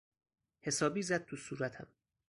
حسابی زد تو صورتم.